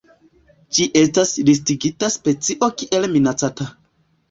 Ĝi estas listigita specio kiel minacata.